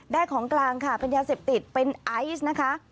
ของกลางค่ะเป็นยาเสพติดเป็นไอซ์นะคะ